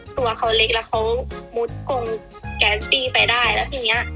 ตัวเขาเล็กแล้วเขามุดกงแก๊สตี้ไปได้แล้วทีเนี้ย